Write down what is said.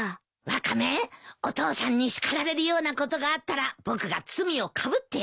ワカメお父さんに叱られるようなことがあったら僕が罪をかぶってやるぞ。